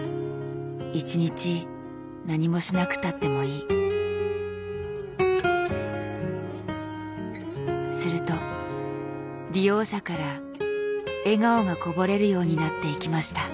「一日何もしなくたってもいい」。すると利用者から笑顔がこぼれるようになっていきました。